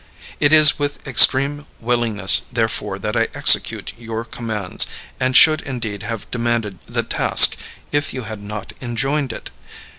It is with extreme willingness, therefore, that I execute your commands, and should indeed have demanded the task if you had not enjoined it.